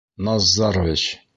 Наз... зарович!